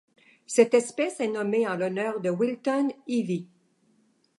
Cette espèce est nommée en l'honneur de Wilton Ivie.